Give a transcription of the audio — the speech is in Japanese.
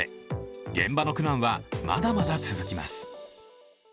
現場の苦難はまだまだ続きます。